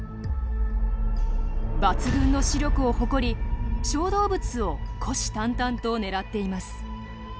抜群の視力を誇り小動物を虎視たんたんと狙っています。